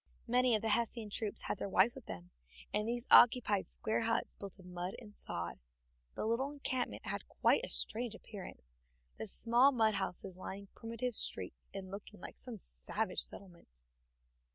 Many of the Hessian troopers had their wives with them, and these occupied square huts built of mud and sod. The little encampment had quite a strange appearance, the small mud houses lining primitive streets and looking like some savage settlement.